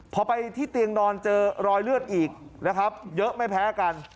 พอไปที่เตียงนอนเจอรอยเลือดอีกนะครับเยอะไม่แพ้กัน